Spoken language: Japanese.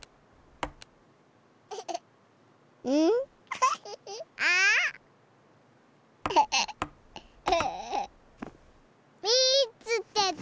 うん？あ！みつけた！